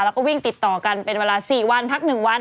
แล้วก็วิ่งติดต่อกันเป็นเวลา๔วันพัก๑วัน